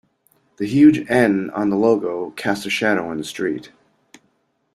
The huge N on the logo cast a shadow in the street.